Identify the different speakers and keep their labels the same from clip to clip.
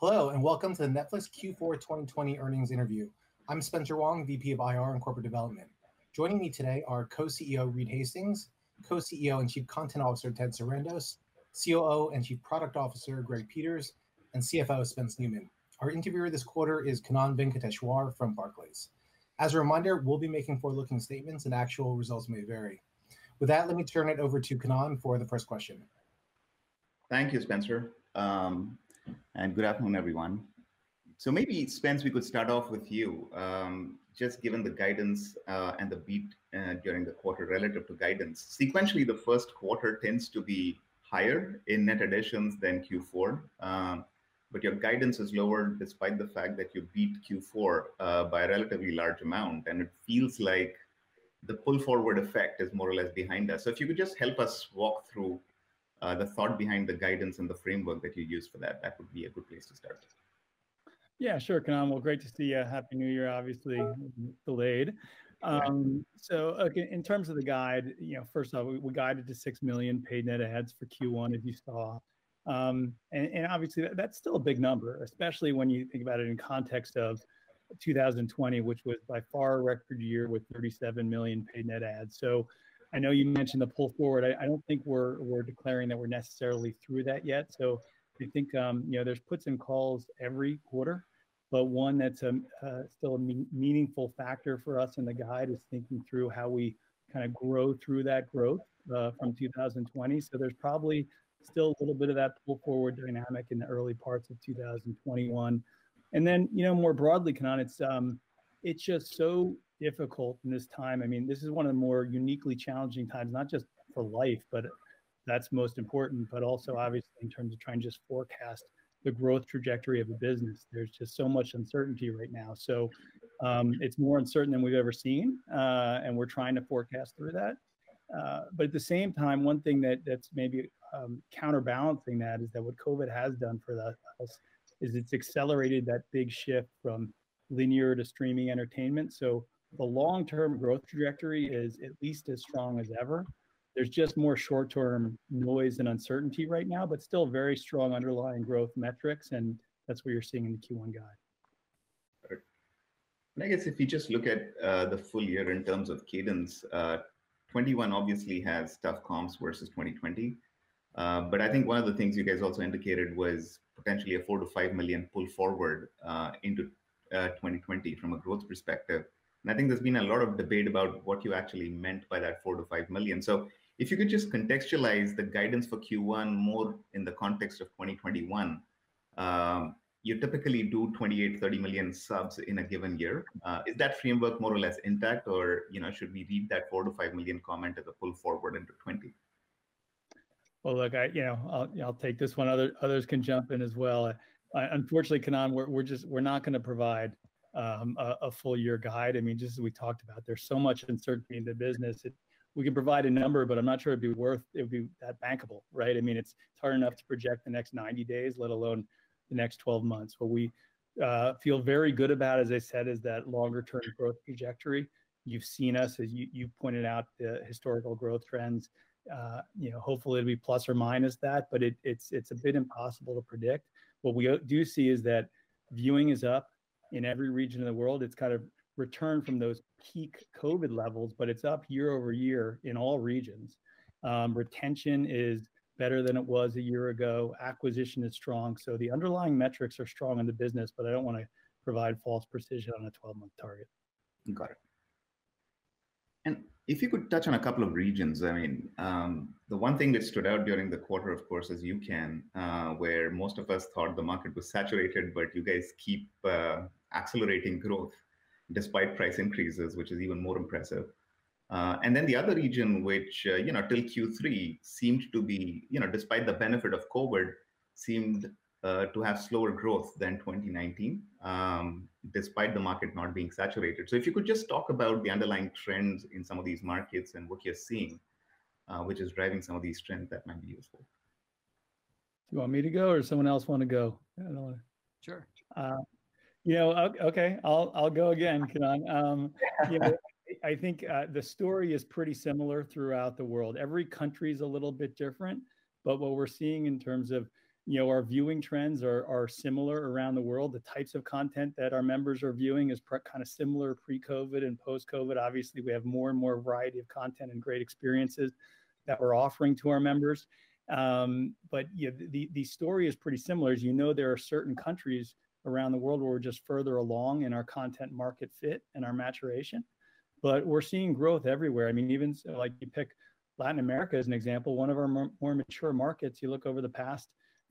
Speaker 1: Hello, and welcome to the Netflix Q4 2020 earnings interview. I'm Spencer Wang, VP of IR and Corporate Development. Joining me today are Co-CEO, Reed Hastings, Co-CEO and Chief Content Officer, Ted Sarandos, COO and Chief Product Officer, Greg Peters, and CFO, Spencer Neumann. Our interviewer this quarter is Kannan Venkateshwar from Barclays. As a reminder, we'll be making forward-looking statements, and actual results may vary. With that, let me turn it over to Kannan for the first question.
Speaker 2: Thank you, Spencer, and good afternoon, everyone. Maybe, Spence, we could start off with you. Just given the guidance and the beat during the quarter relative to guidance. Sequentially, the first quarter tends to be higher in net additions than Q4, but your guidance is lower despite the fact that you beat Q4 by a relatively large amount, and it feels like the pull-forward effect is more or less behind us. If you could just help us walk through the thought behind the guidance and the framework that you used for that would be a good place to start.
Speaker 3: Yeah. Sure, Kannan. Well, great to see you. Happy New Year, obviously delayed.
Speaker 2: Yeah.
Speaker 3: Again, in terms of the guide, first off, we guided to 6 million paid net adds for Q1, as you saw. Obviously, that's still a big number, especially when you think about it in context of 2020, which was by far a record year with 37 million paid net adds. I know you mentioned the pull forward. I don't think we're declaring that we're necessarily through that yet. I think there's puts and calls every quarter. One that's still a meaningful factor for us in the guide is thinking through how we kind of grow through that growth from 2020. There's probably still a little bit of that pull-forward dynamic in the early parts of 2021. More broadly, Kannan, it's just so difficult in this time. This is one of the more uniquely challenging times, not just for life, but that's most important, but also, obviously, in terms of trying to just forecast the growth trajectory of the business. There's just so much uncertainty right now. It's more uncertain than we've ever seen. We're trying to forecast through that. At the same time, one thing that's maybe counterbalancing that is that what COVID has done for the house is it's accelerated that big shift from linear to streaming entertainment. The long-term growth trajectory is at least as strong as ever. There's just more short-term noise and uncertainty right now, but still very strong underlying growth metrics, and that's what you're seeing in the Q1 guide.
Speaker 2: Great. I guess if you just look at the full year in terms of cadence, 2021 obviously has tough comps versus 2020. I think one of the things you guys also indicated was potentially a $4 million-$5 million pull forward into 2020 from a growth perspective. I think there's been a lot of debate about what you actually meant by that $4 million-$5 million. If you could just contextualize the guidance for Q1 more in the context of 2021. You typically do 28 million-30 million subs in a given year. Is that framework more or less intact, or should we read that $4 million-$5 million comment as a pull forward into 2020?
Speaker 3: Well, look, I'll take this one. Others can jump in as well. Unfortunately, Kannan, we're not going to provide a full year guide. Just as we talked about, there's so much uncertainty in the business. We can provide a number, but I'm not sure it'd be that bankable, right? It's hard enough to project the next 90 days, let alone the next 12 months. What we feel very good about, as I said, is that longer-term growth trajectory. You've seen us, as you pointed out, the historical growth trends. Hopefully, it'll be plus or minus that, but it's a bit impossible to predict. What we do see is that viewing is up in every region of the world. It's kind of returned from those peak COVID levels, but it's up year-over-year in all regions. Retention is better than it was a year ago. Acquisition is strong. The underlying metrics are strong in the business, but I don't want to provide false precision on a 12-month target.
Speaker 2: Got it. If you could touch on a couple of regions. The one thing that stood out during the quarter, of course, is UCAN, where most of us thought the market was saturated, but you guys keep accelerating growth despite price increases, which is even more impressive. The other region, which until Q3, despite the benefit of COVID, seemed to have slower growth than 2019, despite the market not being saturated. If you could just talk about the underlying trends in some of these markets and what you're seeing, which is driving some of these trends, that might be useful.
Speaker 3: Do you want me to go, or someone else want to go? I don't know.
Speaker 2: Sure.
Speaker 3: Okay. I'll go again, Kannan. I think the story is pretty similar throughout the world. Every country's a little bit different, but what we're seeing in terms of our viewing trends are similar around the world. The types of content that our members are viewing is kind of similar pre-COVID and post-COVID. Obviously, we have more and more variety of content and great experiences that we're offering to our members. The story is pretty similar. As you know, there are certain countries around the world where we're just further along in our content market fit and our maturation, but we're seeing growth everywhere. Even, you pick Latin America as an example, one of our more mature markets. You look over the past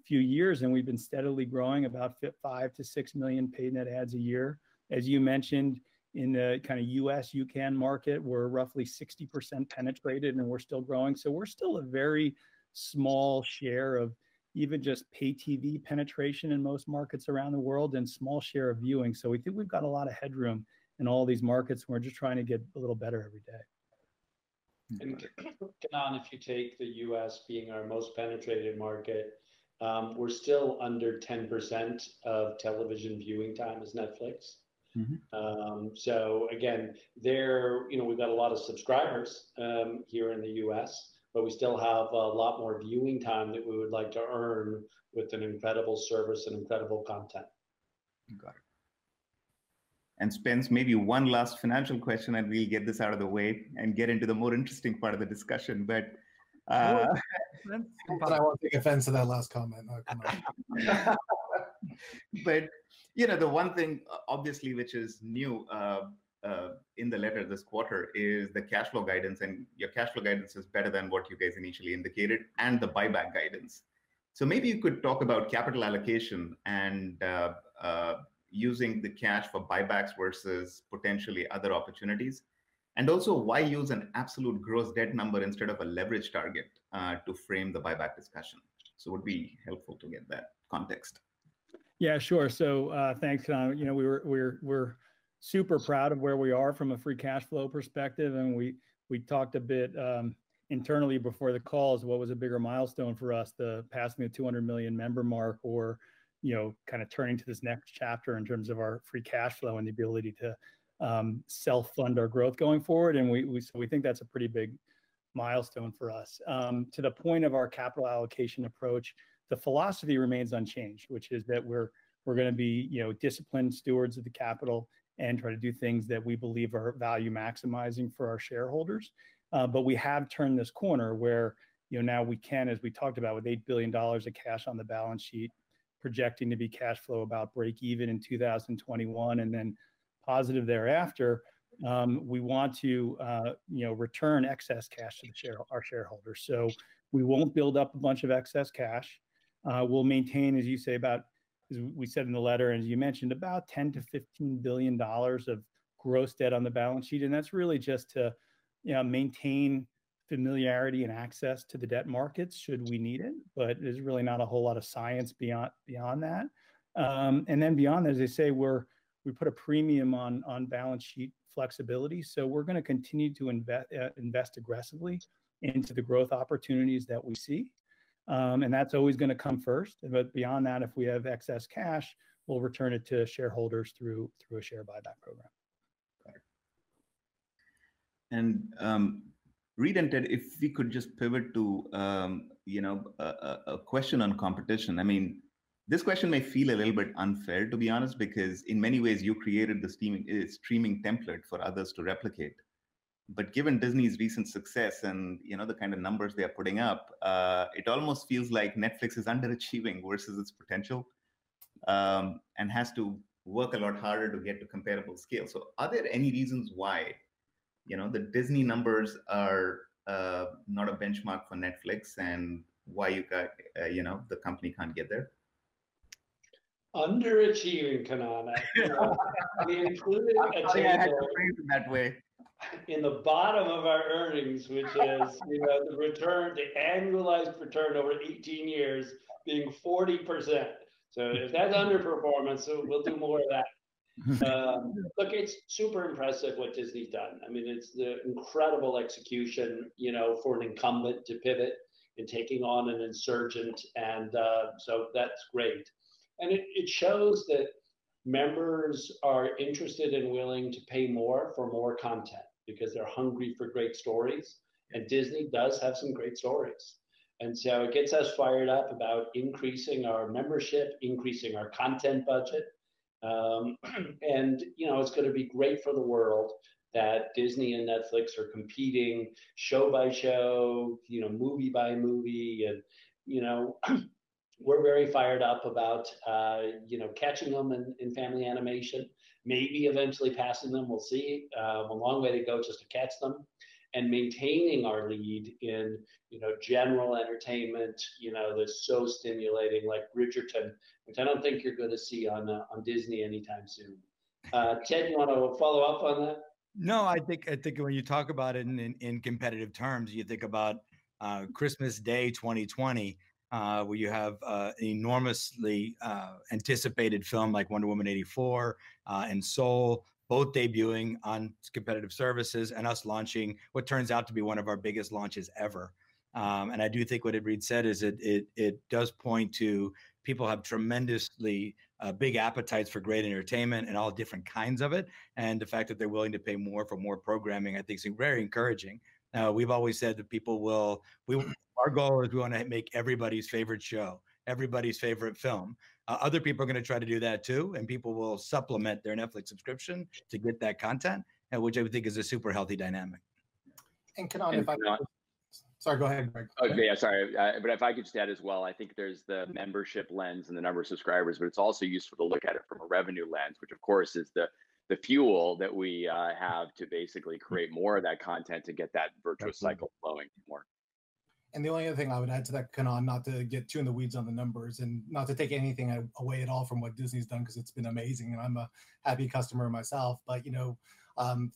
Speaker 3: few years, and we've been steadily growing about five to six million paid net adds a year. As you mentioned, in the kind of U.S. UCAN market, we're roughly 60% penetrated, and we're still growing. We're still a very small share of even just pay TV penetration in most markets around the world and small share of viewing. We think we've got a lot of headroom in all these markets, and we're just trying to get a little better every day.
Speaker 2: Got it.
Speaker 1: Kannan, if you take the U.S. being our most penetrated market, we're still under 10% of television viewing time as Netflix. Again, we've got a lot of subscribers here in the U.S., but we still have a lot more viewing time that we would like to earn with an incredible service and incredible content.
Speaker 2: Got it. Spencer, maybe one last financial question and we'll get this out of the way and get into the more interesting part of the discussion.
Speaker 3: Sure.
Speaker 4: I won't take offense to that last comment. Oh, come on.
Speaker 2: The one thing obviously which is new in the letter this quarter is the cash flow guidance, and your cash flow guidance is better than what you guys initially indicated, and the buyback guidance. Maybe you could talk about capital allocation and using the cash for buybacks versus potentially other opportunities, and also why use an absolute gross debt number instead of a leverage target, to frame the buyback discussion. It would be helpful to get that context.
Speaker 3: Yeah, sure. Thanks, Kannan. We're super proud of where we are from a free cash flow perspective, and we talked a bit internally before the calls what was a bigger milestone for us, the passing of 200 million member mark or kind of turning to this next chapter in terms of our free cash flow and the ability to self-fund our growth going forward, and so we think that's a pretty big milestone for us. To the point of our capital allocation approach, the philosophy remains unchanged, which is that we're going to be disciplined stewards of the capital and try to do things that we believe are value maximizing for our shareholders. We have turned this corner where now we can, as we talked about with $8 billion of cash on the balance sheet, projecting to be cash flow about breakeven in 2021, and then positive thereafter. We want to return excess cash to our shareholders. We won't build up a bunch of excess cash. We'll maintain, as we said in the letter and as you mentioned, about $10 billion-$15 billion of gross debt on the balance sheet, and that's really just to maintain familiarity and access to the debt markets should we need it. There's really not a whole lot of science beyond that. Beyond that, as I say, we put a premium on balance sheet flexibility. We're going to continue to invest aggressively into the growth opportunities that we see. That's always going to come first. Beyond that if we have excess cash, we'll return it to shareholders through a share buyback program.
Speaker 2: Got it. Reed and Ted, if we could just pivot to a question on competition. This question may feel a little bit unfair, to be honest, because in many ways you created the streaming template for others to replicate. Given Disney's recent success and the kind of numbers they are putting up, it almost feels like Netflix is underachieving versus its potential, and has to work a lot harder to get to comparable scale. Are there any reasons why the Disney numbers are not a benchmark for Netflix and why the company can't get there?
Speaker 4: Underachieving, Kannan. We included a table-
Speaker 2: Oh yeah, I had to phrase it that way.
Speaker 4: in the bottom of our earnings, which is the annualized return over 18 years being 40%. If that's underperformance, we'll do more of that. Look, it's super impressive what Disney's done. It's the incredible execution for an incumbent to pivot and taking on an insurgent that's great. It shows that members are interested and willing to pay more for more content because they're hungry for great stories, and Disney does have some great stories, it gets us fired up about increasing our membership, increasing our content budget. It's going to be great for the world that Disney and Netflix are competing show by show, movie by movie and we're very fired up about catching them in family animation, maybe eventually passing them. We'll see. A long way to go just to catch them. Maintaining our lead in general entertainment that's so stimulating, like "Bridgerton," which I don't think you're going to see on Disney anytime soon. Ted, you want to follow up on that?
Speaker 5: No, I think when you talk about it in competitive terms, you think about Christmas Day 2020, where you have an enormously anticipated film like "Wonder Woman 1984," and "Soul," both debuting on competitive services and us launching what turns out to be one of our biggest launches ever. I do think what Reed said is it does point to people have tremendously big appetites for great entertainment and all different kinds of it, and the fact that they're willing to pay more for more programming I think is very encouraging. We've always said that our goal is we want to make everybody's favorite show, everybody's favorite film. Other people are going to try to do that too, and people will supplement their Netflix subscription to get that content, and which I would think is a super healthy dynamic.
Speaker 3: Kannan.
Speaker 6: And if I-
Speaker 3: Sorry, go ahead, Greg.
Speaker 4: Okay, yeah, sorry. If I could just add as well, I think there's the membership lens and the number of subscribers, but it's also useful to look at it from a revenue lens, which of course is the fuel that we have to basically create more of that content to get that virtuous cycle flowing more.
Speaker 3: The only other thing I would add to that, Kannan, not to get too in the weeds on the numbers and not to take anything away at all from what Disney's done because it's been amazing and I'm a happy customer myself. 30%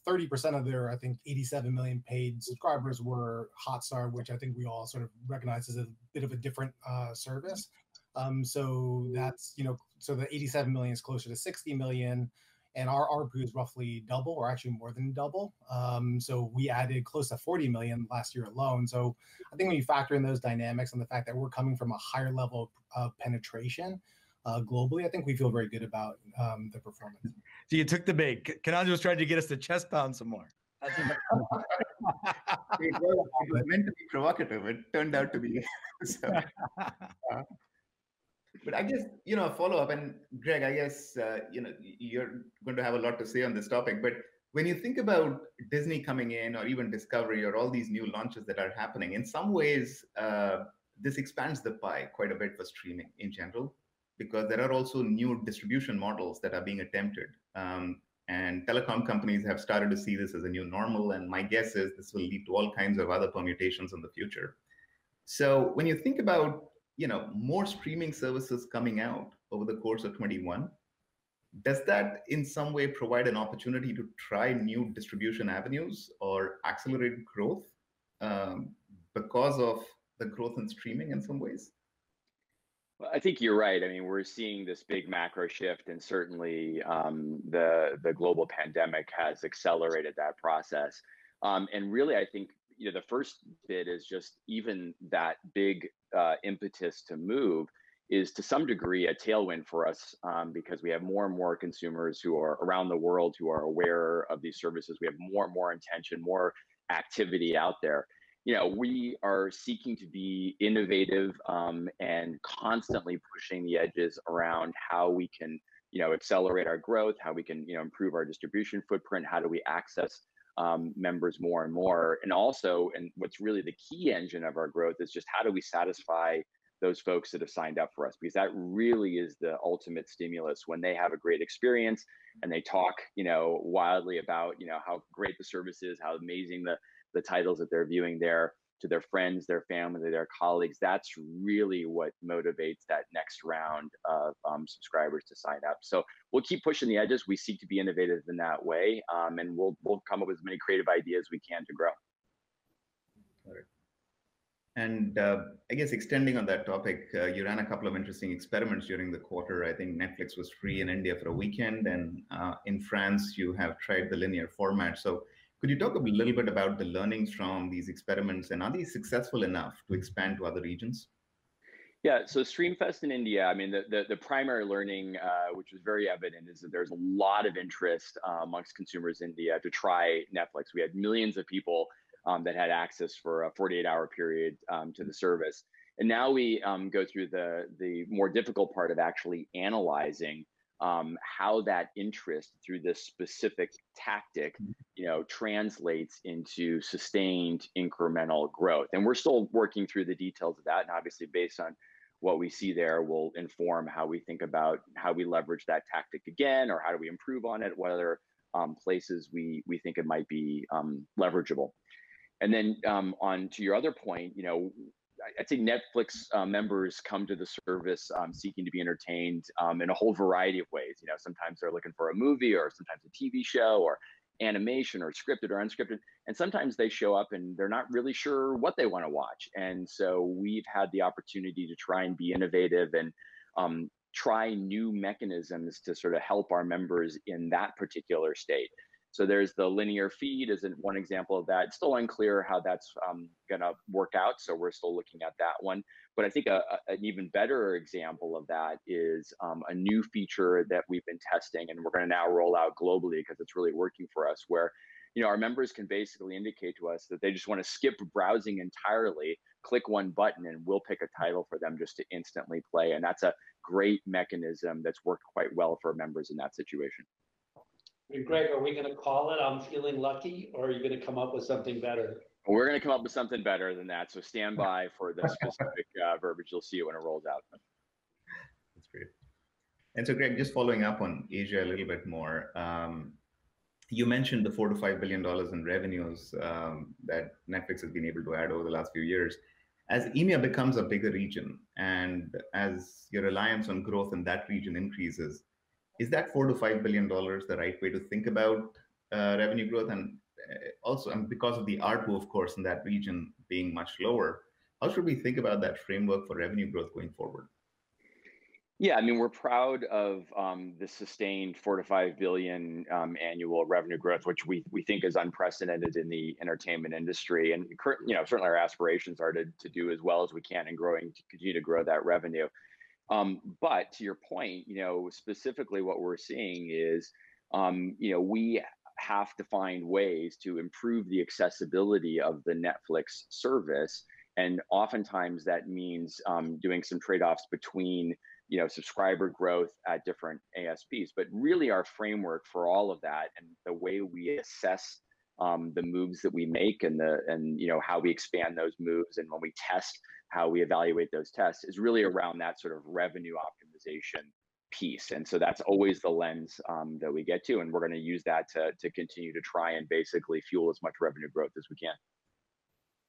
Speaker 3: of their, I think, 87 million paid subscribers were Hotstar, which I think we all sort of recognize is a bit of a different service. The 87 million is closer to 60 million and our ARPU is roughly double or actually more than double. We added close to 40 million last year alone. I think when you factor in those dynamics and the fact that we're coming from a higher level of penetration globally, I think we feel very good about the performance.
Speaker 5: You took the bait. Kannan was trying to get us to chest pound some more.
Speaker 2: It meant to be provocative. It turned out to be so. I guess, a follow-up, and Greg, I guess, you're going to have a lot to say on this topic, but when you think about Disney coming in or even Discovery or all these new launches that are happening, in some ways, this expands the pie quite a bit for streaming in general, because there are also new distribution models that are being attempted. Telecom companies have started to see this as a new normal, and my guess is this will lead to all kinds of other permutations in the future. When you think about more streaming services coming out over the course of 2021, does that in some way provide an opportunity to try new distribution avenues or accelerated growth, because of the growth in streaming in some ways?
Speaker 6: Well, I think you're right. We're seeing this big macro shift and certainly, the global pandemic has accelerated that process. Really, I think, the first bit is just even that big impetus to move is to some degree a tailwind for us, because we have more and more consumers who are around the world who are aware of these services. We have more and more intention, more activity out there. We are seeking to be innovative, and constantly pushing the edges around how we can accelerate our growth, how we can improve our distribution footprint, how do we access members more and more. Also, what's really the key engine of our growth is just how do we satisfy those folks that have signed up for us, because that really is the ultimate stimulus. When they have a great experience and they talk widely about how great the service is, how amazing the titles that they're viewing there to their friends, their family, their colleagues, that's really what motivates that next round of subscribers to sign up. We'll keep pushing the edges. We seek to be innovative in that way. We'll come up with as many creative ideas we can to grow.
Speaker 2: Got it. I guess extending on that topic, you ran a couple of interesting experiments during the quarter. I think Netflix was free in India for a weekend, and in France you have tried the linear format. Could you talk a little bit about the learnings from these experiments, and are these successful enough to expand to other regions?
Speaker 6: Yeah. StreamFest in India, the primary learning, which was very evident, is that there's a lot of interest amongst consumers in India to try Netflix. We had millions of people that had access for a 48-hour period to the service. Now we go through the more difficult part of actually analyzing how that interest through this specific tactic translates into sustained incremental growth. We're still working through the details of that, and obviously, based on what we see there will inform how we think about how we leverage that tactic again or how do we improve on it, what other places we think it might be leverageable. On to your other point, I'd say Netflix members come to the service seeking to be entertained in a whole variety of ways. Sometimes they're looking for a movie or sometimes a TV show or animation or scripted or unscripted, and sometimes they show up and they're not really sure what they want to watch. We've had the opportunity to try and be innovative and try new mechanisms to sort of help our members in that particular state. There's the linear feed as one example of that. It's still unclear how that's gonna work out, we're still looking at that one. I think an even better example of that is a new feature that we've been testing and we're gonna now roll out globally because it's really working for us, where our members can basically indicate to us that they just wanna skip browsing entirely, click one button, and we'll pick a title for them just to instantly play. That's a great mechanism that's worked quite well for members in that situation.
Speaker 3: Greg, are we gonna call it "I'm feeling lucky," or are you gonna come up with something better?
Speaker 6: We're gonna come up with something better than that. Stand by for the specific verbiage you'll see when it rolls out.
Speaker 2: That's great. Greg, just following up on Asia a little bit more. You mentioned the $4 billion-$5 billion in revenues that Netflix has been able to add over the last few years. As EMEA becomes a bigger region and as your reliance on growth in that region increases, is that $4 billion-$5 billion the right way to think about revenue growth? Because of the ARPU, of course, in that region being much lower, how should we think about that framework for revenue growth going forward?
Speaker 6: Yeah. We are proud of the sustained $45 billion annual revenue growth which we think is unprecedented in the entertainment industry.
Speaker 4: Yeah.
Speaker 6: Certainly our aspirations are to do as well as we can and continue to grow that revenue. To your point, specifically what we're seeing is we have to find ways to improve the accessibility of the Netflix service, and oftentimes that means doing some trade-offs between subscriber growth at different ASPs. Really our framework for all of that and the way we assess the moves that we make and how we expand those moves and when we test how we evaluate those tests is really around that sort of revenue optimization piece. That's always the lens that we get to, and we're gonna use that to continue to try and basically fuel as much revenue growth as we can.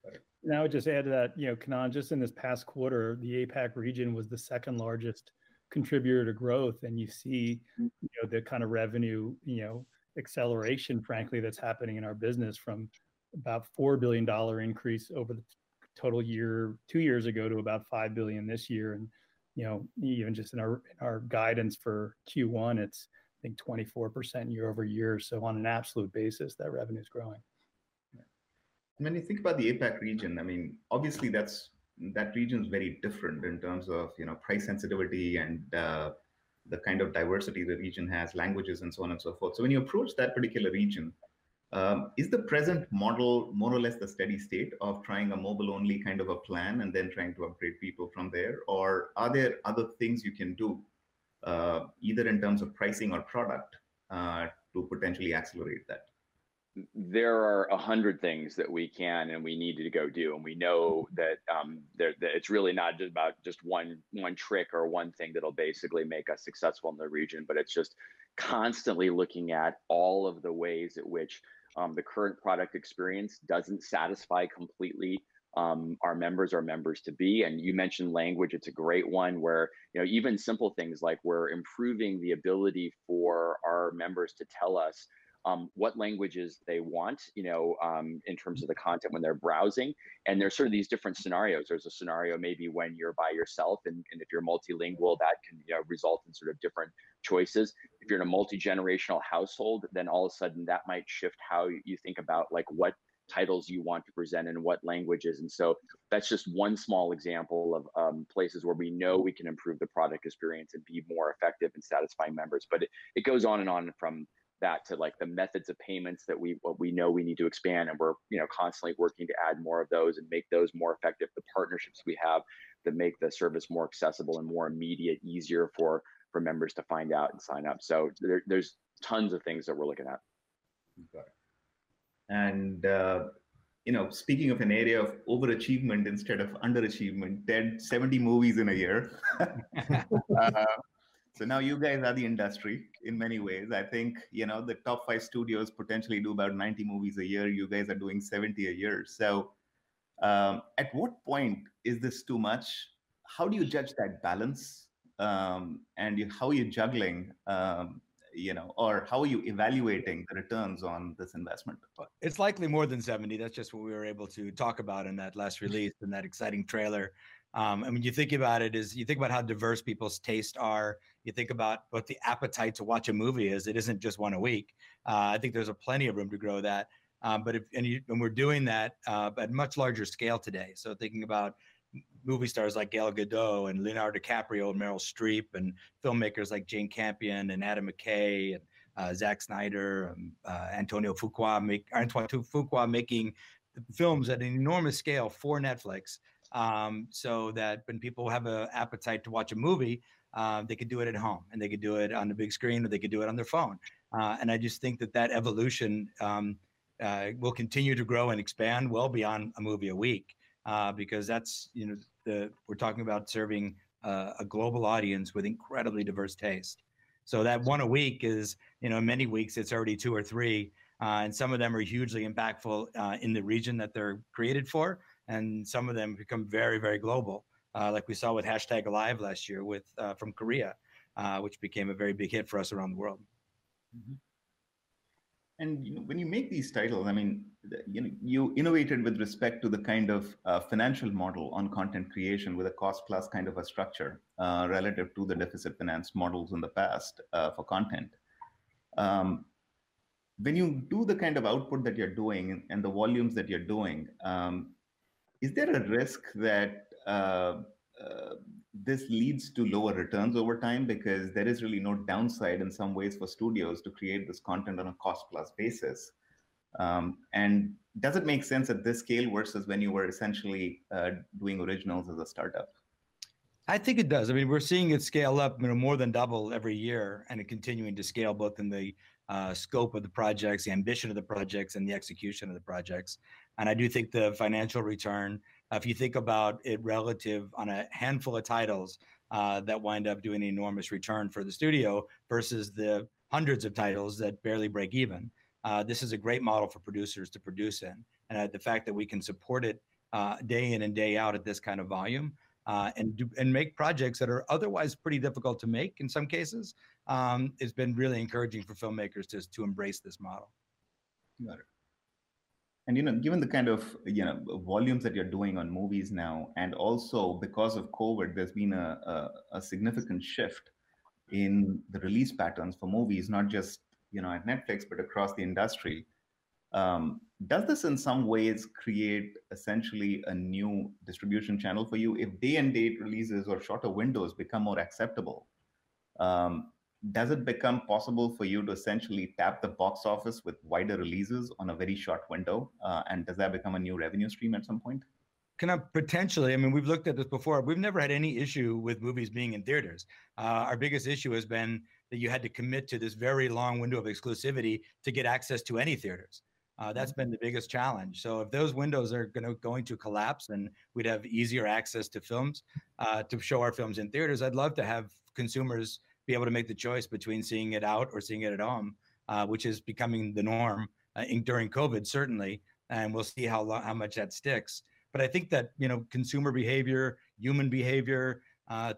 Speaker 2: Got it.
Speaker 3: I would just add to that, Kannan, just in this past quarter, the APAC region was the second-largest contributor to growth, you see the kind of revenue acceleration, frankly, that's happening in our business from about a $4 billion increase over the total year two years ago to about $5 billion this year. Even just in our guidance for Q1, it's, I think, 24% year-over-year. On an absolute basis, that revenue's growing.
Speaker 2: When you think about the APAC region, obviously that region's very different in terms of price sensitivity and the kind of diversity the region has, languages, and so on and so forth. When you approach that particular region, is the present model more or less the steady state of trying a mobile-only kind of a plan and then trying to upgrade people from there? Are there other things you can do, either in terms of pricing or product, to potentially accelerate that?
Speaker 6: There are 100 things that we can and we need to go do, and we know that it's really not about just one trick or one thing that'll basically make us successful in the region, but it's just constantly looking at all of the ways in which the current product experience doesn't satisfy completely our members, or members to be. You mentioned language, it's a great one, where even simple things like we're improving the ability for our members to tell us what languages they want in terms of the content when they're browsing, and there's sort of these different scenarios. There's a scenario maybe when you're by yourself, and if you're multilingual, that can result in sort of different choices. If you're in a multigenerational household, then all of a sudden that might shift how you think about what titles you want to present and what languages. That's just one small example of places where we know we can improve the product experience and be more effective in satisfying members. It goes on and on from that to the methods of payments that we know we need to expand, and we're constantly working to add more of those and make those more effective. The partnerships we have that make the service more accessible and more immediate, easier for members to find out and sign up. There's tons of things that we're looking at.
Speaker 2: Got it. Speaking of an area of overachievement instead of underachievement, Ted, 70 movies in a year. Now you guys are the industry in many ways. I think, the top five studios potentially do about 90 movies a year. You guys are doing 70 a year. At what point is this too much? How do you judge that balance? How are you juggling, or how are you evaluating the returns on this investment?
Speaker 5: It's likely more than 70. That's just what we were able to talk about in that last release and that exciting trailer. You think about how diverse people's taste are. You think about what the appetite to watch a movie is. It isn't just one a week. I think there's plenty of room to grow that. We're doing that, but much larger scale today. Thinking about movie stars like Gal Gadot and Leonardo DiCaprio and Meryl Streep, and filmmakers like Jane Campion and Adam McKay and Zack Snyder, Antoine Fuqua, making films at an enormous scale for Netflix, so that when people have an appetite to watch a movie, they can do it at home, and they can do it on the big screen, or they can do it on their phone. I just think that that evolution will continue to grow and expand well beyond a movie a week, because we're talking about serving a global audience with incredibly diverse taste. That one a week is, in many weeks it's already two or three. Some of them are hugely impactful in the region that they're created for, and some of them become very, very global. Like we saw with #Alive last year from Korea, which became a very big hit for us around the world.
Speaker 2: Mm-hmm. When you make these titles, you innovated with respect to the kind of financial model on content creation with a cost-plus kind of a structure, relative to the deficit finance models in the past, for content. When you do the kind of output that you're doing and the volumes that you're doing, is there a risk that this leads to lower returns over time? Because there is really no downside in some ways for studios to create this content on a cost-plus basis. Does it make sense at this scale versus when you were essentially doing originals as a startup?
Speaker 5: I think it does. We're seeing it scale up more than double every year, and it continuing to scale both in the scope of the projects, the ambition of the projects, and the execution of the projects. I do think the financial return, if you think about it relative on a handful of titles that wind up doing an enormous return for the studio versus the hundreds of titles that barely break even, this is a great model for producers to produce in. The fact that we can support it day in and day out at this kind of volume, and make projects that are otherwise pretty difficult to make in some cases, has been really encouraging for filmmakers just to embrace this model.
Speaker 2: Got it. Given the kind of volumes that you're doing on movies now, also because of COVID, there's been a significant shift in the release patterns for movies, not just at Netflix, but across the industry. Does this in some ways create essentially a new distribution channel for you if day-and-date releases or shorter windows become more acceptable? Does it become possible for you to essentially tap the box office with wider releases on a very short window? Does that become a new revenue stream at some point?
Speaker 5: Potentially. We've looked at this before. We've never had any issue with movies being in theaters. Our biggest issue has been that you had to commit to this very long window of exclusivity to get access to any theaters. That's been the biggest challenge. If those windows are going to collapse, and we'd have easier access to films, to show our films in theaters, I'd love to have consumers be able to make the choice between seeing it out or seeing it at home, which is becoming the norm during COVID, certainly. We'll see how much that sticks. I think that consumer behavior, human behavior,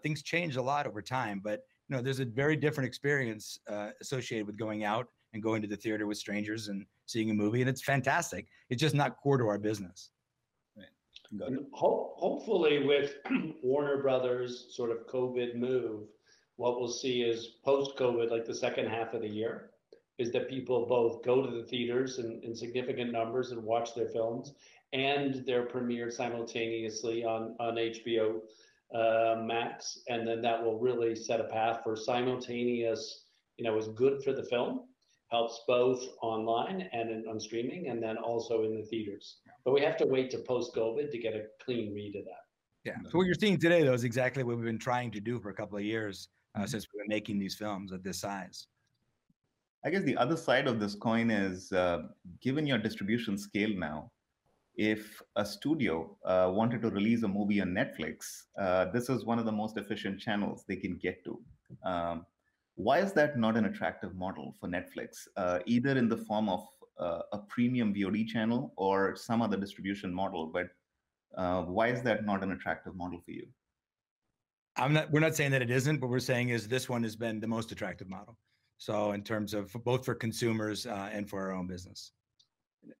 Speaker 5: things change a lot over time. There's a very different experience associated with going out and going to the theater with strangers and seeing a movie, and it's fantastic. It's just not core to our business.
Speaker 2: Right. Got it.
Speaker 4: Hopefully with Warner Bros.' sort of COVID move, what we'll see is post-COVID, like the second half of the year. is that people both go to the theaters in significant numbers and watch their films, and they're premiered simultaneously on HBO Max. That will really set a path for simultaneous, is good for the film, helps both online and on streaming, and then also in the theaters. We have to wait to post-COVID to get a clean read of that.
Speaker 5: Yeah. What you're seeing today though, is exactly what we've been trying to do for a couple of years since we're making these films of this size.
Speaker 2: I guess the other side of this coin is, given your distribution scale now, if a studio wanted to release a movie on Netflix, this is one of the most efficient channels they can get to. Why is that not an attractive model for Netflix, either in the form of a premium VOD channel or some other distribution model, but why is that not an attractive model for you?
Speaker 5: We're not saying that it isn't, what we're saying is this one has been the most attractive model. In terms of both for consumers, and for our own business.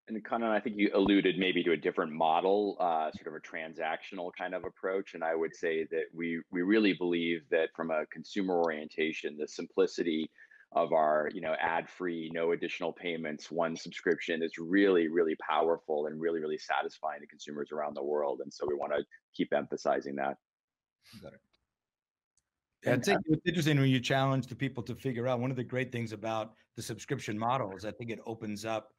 Speaker 6: Kannan, I think you alluded maybe to a different model, sort of a transactional kind of approach. I would say that we really believe that from a consumer orientation, the simplicity of our ad-free, no additional payments, one subscription is really, really powerful and really, really satisfying to consumers around the world. We want to keep emphasizing that.
Speaker 2: Got it.
Speaker 4: Ted, what's interesting when you challenge the people to figure out, one of the great things about the subscription model is I think it opens up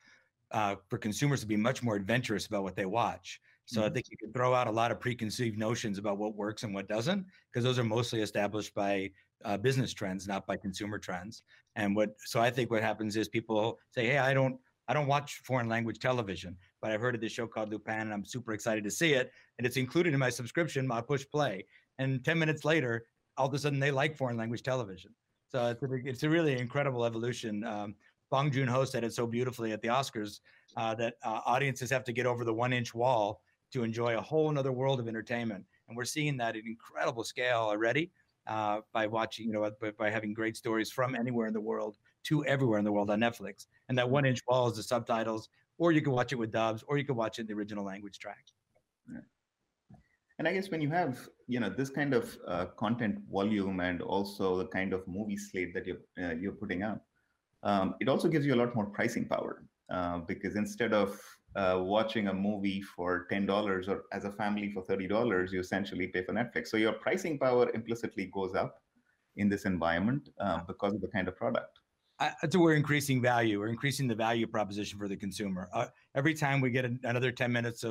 Speaker 4: for consumers to be much more adventurous about what they watch. I think you can throw out a lot of preconceived notions about what works and what doesn't, because those are mostly established by business trends, not by consumer trends. I think what happens is people say, "Hey, I don't watch foreign language television, but I've heard of this show called 'Lupin' and I'm super excited to see it, and it's included in my subscription," might push play. 10 minutes later, all of a sudden they like foreign language television. It's a really incredible evolution. Bong Joon Ho said it so beautifully at the Oscars, that audiences have to get over the one-inch wall to enjoy a whole other world of entertainment. We're seeing that at incredible scale already, by having great stories from anywhere in the world to everywhere in the world on Netflix. That one-inch wall is the subtitles, or you can watch it with dubs, or you can watch it in the original language track.
Speaker 2: Yeah. I guess when you have this kind of content volume and also the kind of movie slate that you're putting out, it also gives you a lot more pricing power. Instead of watching a movie for $10 or as a family for $30, you essentially pay for Netflix. Your pricing power implicitly goes up in this environment, because of the kind of product.
Speaker 5: We're increasing value. We're increasing the value proposition for the consumer. Every time we get another 10 minutes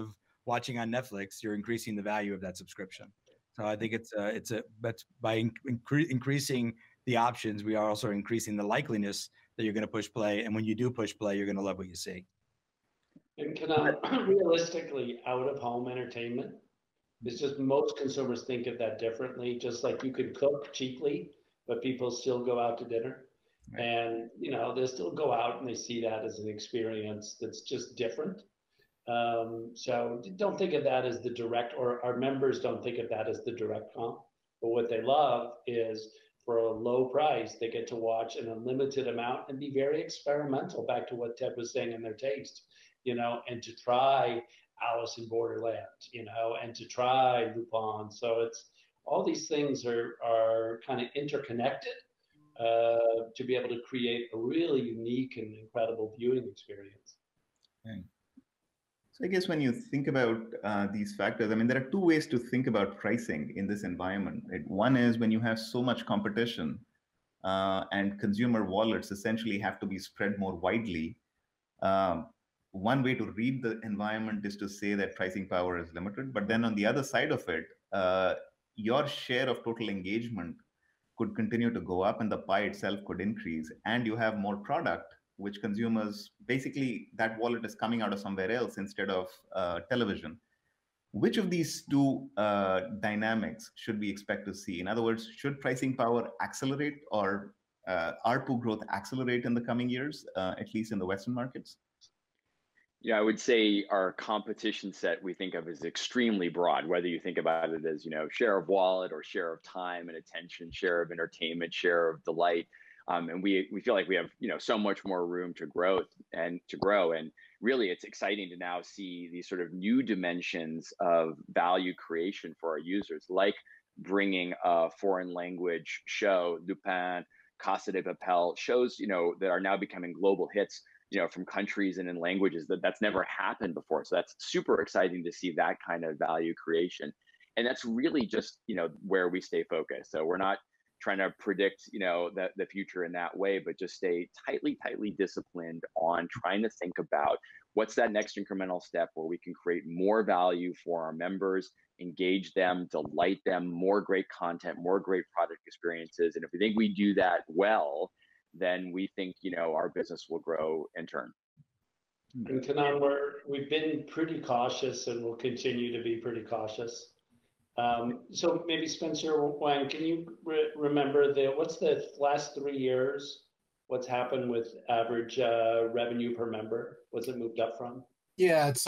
Speaker 5: of watching on Netflix, you're increasing the value of that subscription. I think by increasing the options, we are also increasing the likeliness that you're going to push play, and when you do push play, you're going to love what you see.
Speaker 4: Kannan, realistically, out of home entertainment, it's just most consumers think of that differently. Just like you could cook cheaply, but people still go out to dinner.
Speaker 2: Right.
Speaker 4: They still go out, and they see that as an experience that's just different. Don't think of that as the direct, or our members don't think of that as the direct comp. What they love is for a low price, they get to watch an unlimited amount and be very experimental, back to what Ted was saying, in their taste. To try "Alice in Borderland," and to try "Lupin." All these things are kind of interconnected, to be able to create a really unique and incredible viewing experience.
Speaker 2: Okay. I guess when you think about these factors, there are two ways to think about pricing in this environment. One is when you have so much competition, and consumer wallets essentially have to be spread more widely. One way to read the environment is to say that pricing power is limited, but then on the other side of it, your share of total engagement could continue to go up and the pie itself could increase, and you have more product. Which consumers, basically that wallet is coming out of somewhere else instead of television. Which of these two dynamics should we expect to see? In other words, should pricing power accelerate or ARPU growth accelerate in the coming years, at least in the Western markets?
Speaker 6: I would say our competition set we think of as extremely broad, whether you think about it as share of wallet or share of time and attention, share of entertainment, share of delight. We feel like we have so much more room to grow. Really it's exciting to now see these sort of new dimensions of value creation for our users, like bringing a foreign language show, Lupin, Casa de Papel, shows that are now becoming global hits from countries and in languages that that's never happened before. That's super exciting to see that kind of value creation. That's really just where we stay focused. We're not trying to predict the future in that way, but just stay tightly disciplined on trying to think about what's that next incremental step where we can create more value for our members, engage them, delight them, more great content, more great product experiences. If we think we do that well, then we think our business will grow in turn.
Speaker 4: Kannan, we've been pretty cautious and will continue to be pretty cautious. Maybe Spencer Wang, can you remember, what's the last three years, what's happened with average revenue per member? What's it moved up from?
Speaker 1: Yeah. It's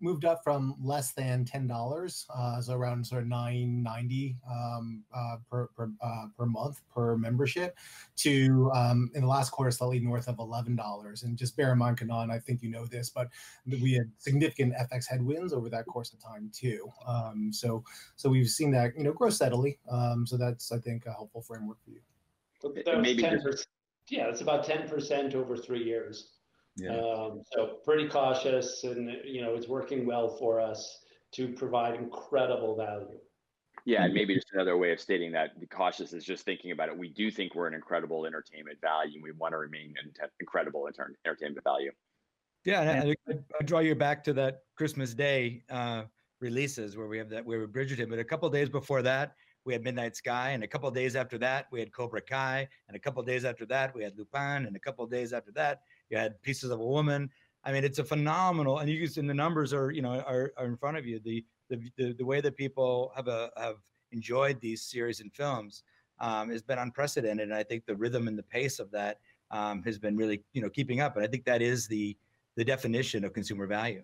Speaker 1: moved up from less than $10, so around sort of $9.90 per month, per membership, to, in the last quarter, slightly north of $11. Just bear in mind, Kannan, I think you know this, but we had significant FX headwinds over that course of time, too. We've seen that grow steadily. That's, I think, a helpful framework for you.
Speaker 4: There was 10%. Yeah, it's about 10% over three years. Yeah. Pretty cautious and it's working well for us to provide incredible value.
Speaker 3: Yeah. Maybe just another way of stating that, the cautious is just thinking about it. We do think we're an incredible entertainment value, and we want to remain incredible entertainment value.
Speaker 5: Yeah. I'd draw you back to that Christmas Day releases where we have "Bridgerton." A couple of days before that, we had "Midnight Sky," a couple of days after that we had "Cobra Kai." A couple of days after that we had "Lupin," a couple of days after that, you had "Pieces of a Woman." The numbers are in front of you. The way that people have enjoyed these series and films has been unprecedented. I think the rhythm and the pace of that has been really keeping up. I think that is the definition of consumer value.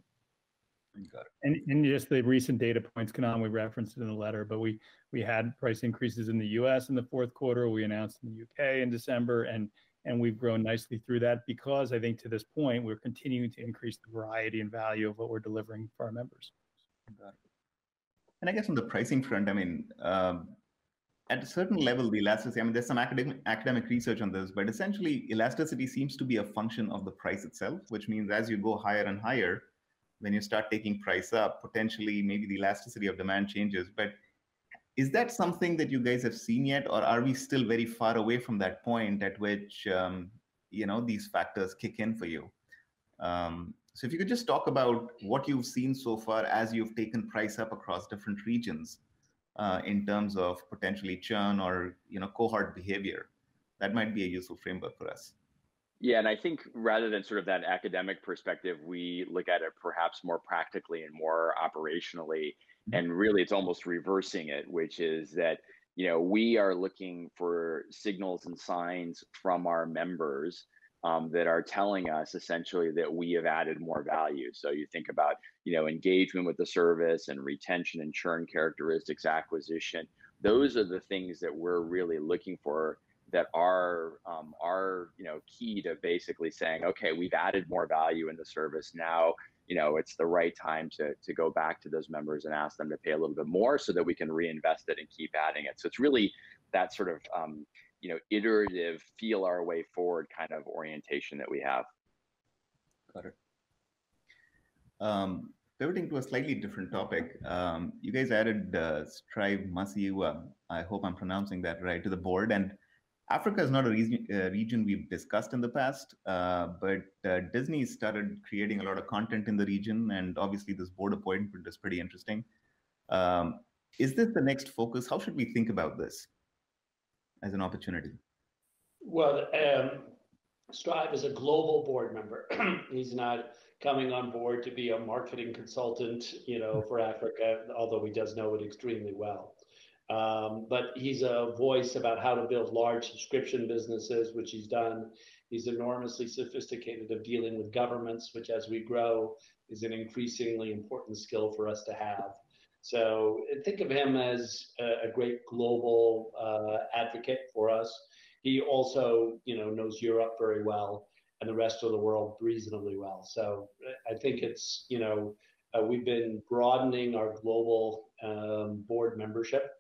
Speaker 2: Got it.
Speaker 3: Just the recent data points, Kannan, we referenced it in the letter, but we had price increases in the U.S. in the fourth quarter. We announced in the U.K. in December, we've grown nicely through that because I think to this point, we're continuing to increase the variety and value of what we're delivering for our members.
Speaker 2: Got it. I guess on the pricing front, at a certain level, the elasticity, there's some academic research on this, but essentially elasticity seems to be a function of the price itself. Which means as you go higher and higher, when you start taking price up, potentially maybe the elasticity of demand changes. Is that something that you guys have seen yet? Are we still very far away from that point at which these factors kick in for you? If you could just talk about what you've seen so far as you've taken price up across different regions, in terms of potentially churn or cohort behavior. That might be a useful framework for us. I think rather than that academic perspective, we look at it perhaps more practically and more operationally.
Speaker 6: Really it's almost reversing it, which is that we are looking for signals and signs from our members that are telling us essentially that we have added more value. You think about engagement with the service and retention and churn characteristics, acquisition. Those are the things that we're really looking for that are key to basically saying, "Okay, we've added more value in the service. Now, it's the right time to go back to those members and ask them to pay a little bit more so that we can reinvest it and keep adding it." It's really that sort of iterative feel our way forward kind of orientation that we have.
Speaker 2: Got it. Pivoting to a slightly different topic. You guys added Strive Masiyiwa, I hope I'm pronouncing that right, to the board. Africa is not a region we've discussed in the past. Disney started creating a lot of content in the region, and obviously this board appointment is pretty interesting. Is this the next focus? How should we think about this as an opportunity?
Speaker 4: Well, Strive is a global board member. He's not coming on board to be a marketing consultant for Africa, although he does know it extremely well. He's a voice about how to build large subscription businesses, which he's done. He's enormously sophisticated of dealing with governments, which as we grow, is an increasingly important skill for us to have. Think of him as a great global advocate for us. He also knows Europe very well and the rest of the world reasonably well. I think we've been broadening our global board membership,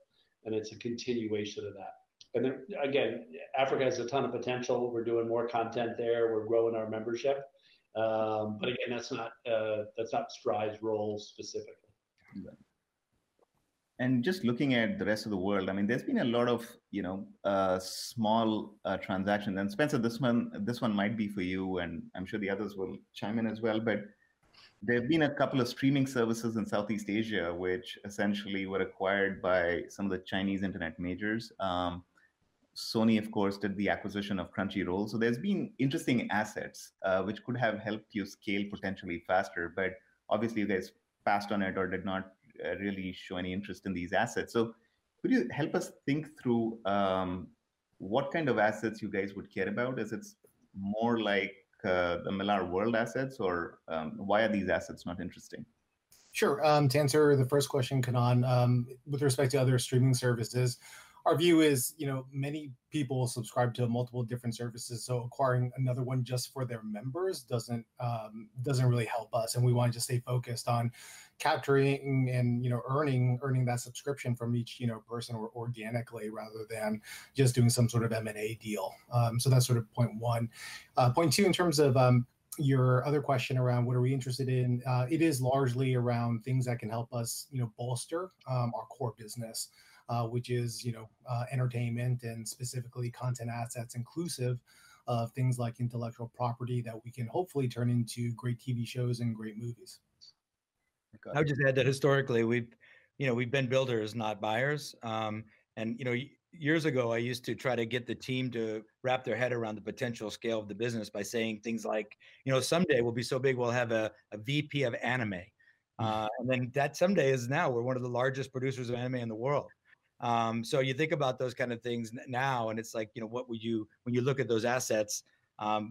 Speaker 4: and it's a continuation of that. Again, Africa has a ton of potential. We're doing more content there. We're growing our membership. Again, that's not Strive's role specifically.
Speaker 2: Got it. Just looking at the rest of the world, there's been a lot of small transactions. Spencer, this one might be for you, and I'm sure the others will chime in as well, but there have been a couple of streaming services in Southeast Asia, which essentially were acquired by some of the Chinese internet majors. Sony, of course, did the acquisition of Crunchyroll. There's been interesting assets which could have helped you scale potentially faster, but obviously you guys passed on it or did not really show any interest in these assets. Could you help us think through what kind of assets you guys would care about? Is it more like the Millarworld assets or why are these assets not interesting?
Speaker 1: Sure. To answer the first question, Kannan, with respect to other streaming services, our view is many people subscribe to multiple different services, acquiring another one just for their members doesn't really help us. We want to just stay focused on capturing and earning that subscription from each person organically rather than just doing some sort of M&A deal. That's point one. Point two, in terms of your other question around what are we interested in, it is largely around things that can help us bolster our core business. Which is entertainment and specifically content assets inclusive of things like intellectual property that we can hopefully turn into great TV shows and great movies.
Speaker 2: Okay.
Speaker 5: I would just add that historically we've been builders, not buyers. Years ago, I used to try to get the team to wrap their head around the potential scale of the business by saying things like, "Someday we'll be so big we'll have a VP of anime." That someday is now. We're one of the largest producers of anime in the world. You think about those kind of things now and it's like when you look at those assets,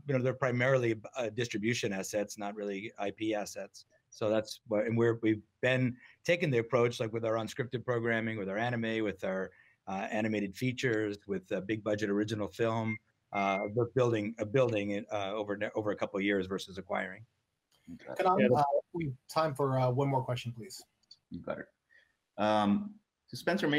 Speaker 5: they're primarily distribution assets, not really IP assets. We've been taking the approach, like with our unscripted programming, with our anime, with our animated features, with big budget original film, we're building over a couple of years versus acquiring.
Speaker 1: Kannan, we have time for one more question, please.
Speaker 2: You got it. Spencer,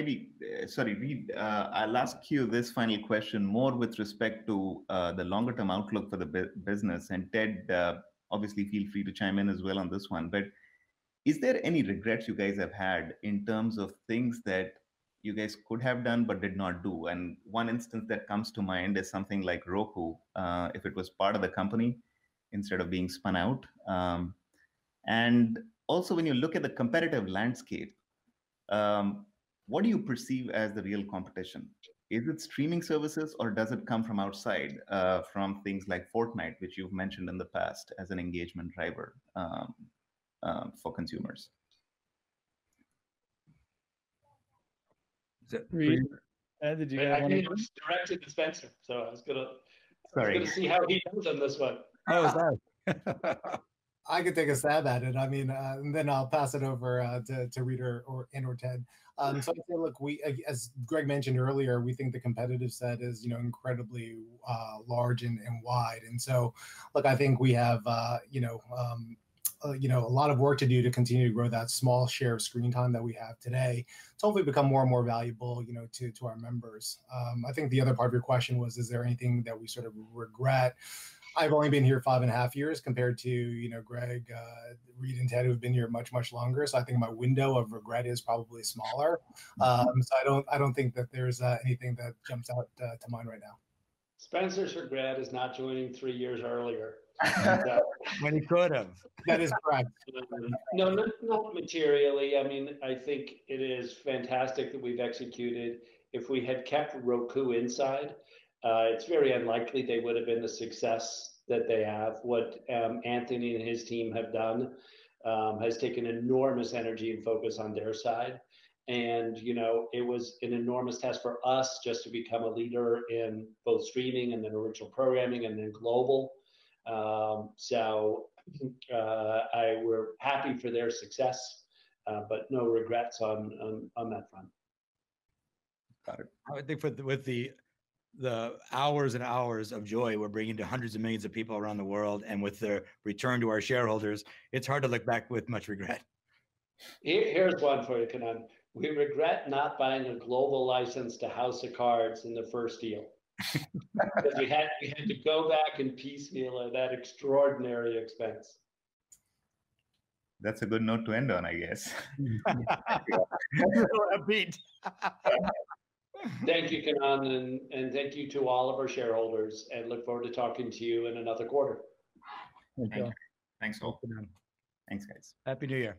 Speaker 2: sorry, Reed, I'll ask you this final question more with respect to the longer-term outlook for the business. Ted, obviously feel free to chime in as well on this one. Is there any regrets you guys have had in terms of things that you guys could have done but did not do? One instance that comes to mind is something like Roku, if it was part of the company instead of being spun out. Also, when you look at the competitive landscape, what do you perceive as the real competition? Is it streaming services, or does it come from outside, from things like Fortnite, which you've mentioned in the past as an engagement driver for consumers?
Speaker 4: Is that for me?
Speaker 5: Reed.
Speaker 1: Ted, did you have anything?
Speaker 4: I think it was directed to Spencer, so I was going to.
Speaker 2: Sorry.
Speaker 4: See how he does on this one.
Speaker 2: Oh, sorry.
Speaker 1: I could take a stab at it, then I'll pass it over to Reed or Ted. I'd say, look, as Greg mentioned earlier, we think the competitive set is incredibly large and wide. Look, I think we have a lot of work to do to continue to grow that small share of screening time that we have today to hopefully become more and more valuable to our members. I think the other part of your question was is there anything that we sort of regret. I've only been here five and a half years compared to Greg, Reed, and Ted, who have been here much, much longer. I think my window of regret is probably smaller. I don't think that there's anything that jumps out to mind right now.
Speaker 4: Spencer's regret is not joining three years earlier.
Speaker 5: When he could have.
Speaker 1: That is correct.
Speaker 4: Absolutely. No, not materially. I think it is fantastic that we've executed. If we had kept Roku inside, it's very unlikely they would've been the success that they have. What Anthony and his team have done has taken enormous energy and focus on their side. It was an enormous test for us just to become a leader in both streaming and then original programming and then global. I think we're happy for their success, but no regrets on that front.
Speaker 2: Got it.
Speaker 5: I would think with the hours and hours of joy we're bringing to hundreds of millions of people around the world, and with the return to our shareholders, it's hard to look back with much regret.
Speaker 4: Here's one for you, Kannan. We regret not buying a global license to "House of Cards" in the first deal. We had to go back and piecemeal at that extraordinary expense.
Speaker 2: That's a good note to end on, I guess.
Speaker 5: Agreed.
Speaker 4: Thank you, Kannan, and thank you to all of our shareholders, and look forward to talking to you in another quarter.
Speaker 1: Thank you.
Speaker 2: Thanks all. Thanks, guys.
Speaker 5: Happy New Year.